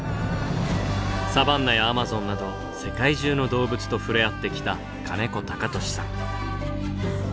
サバンナやアマゾンなど世界中の動物と触れ合ってきた金子貴俊さん。